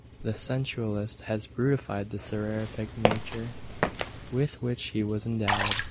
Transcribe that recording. The sensualist has brutified the seraphic nature with which he was endowed.